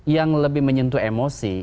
yang lebih menyentuh emosi